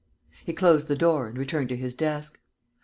He closed the door and returned to his desk.